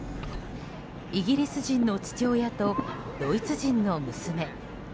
イギリス人の父親とドイツ人の娘。